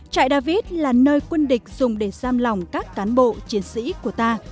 trại david là nơi quân địch dùng để giam lỏng các cán bộ chiến sĩ của ta